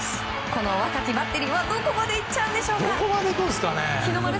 この若いバッテリーはどこまでいっちゃんでしょうか。